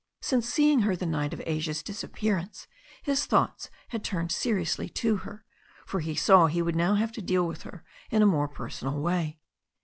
Since seeing her the night of Asia's disappearance his thoughts had turned seriously to her, for he saw he would now have to deal with her in a more personal way.